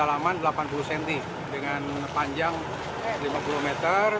mulai amblas jadi kedalaman delapan puluh cm dengan panjang lima puluh meter